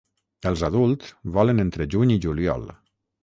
Els adults volen entre juny i juliol.